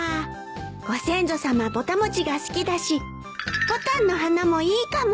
ご先祖さまぼた餅が好きだしボタンの花もいいかも